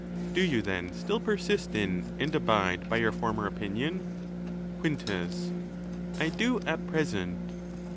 —Do you then still persist in and abide by your, former opinion ? Quintus.—I do at present.